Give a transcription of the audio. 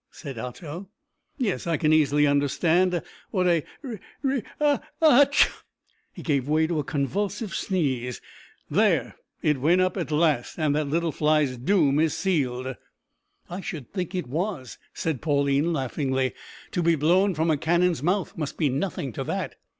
said Otto. "Yes, I can easily understand what a re re ha! hk sh!" he gave way to a convulsive sneeze; "there, it went up at last, and that little fly's doom is sealed!" "I should think it was," said Pauline laughingly. "To be blown from a cannon's mouth must be nothing to that.